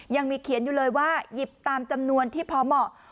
ยังมีเขียนอยู่เลยว่าหยิบตามจำนวนที่พอเหมาะ